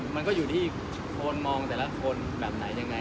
มันก็อยู่ที่คนมองแต่ละคนแบบไหนยังไง